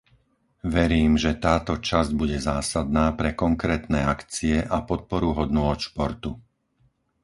Verím, že táto časť bude zásadná pre konkrétne akcie a podporu hodnôt športu.